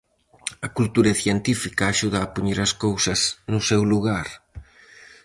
A cultura científica axuda a poñer as cousas no seu lugar.